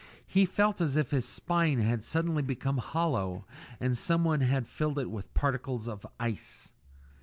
He felt as if his spine had suddenly become hollow and someone had filled it with particles of ice.